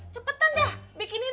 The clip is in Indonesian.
cepetan dah bikinin ayo yee